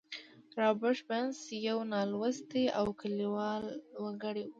رابرټ برنس یو نالوستی او کلیوال وګړی و